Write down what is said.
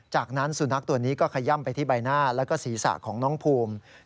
จากนั้นสุนัขตัวนี้ก็ขย่ำไปที่ใบหน้าแล้วก็ศีรษะของน้องภูมิ